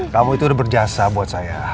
kamu itu udah berjasa buat saya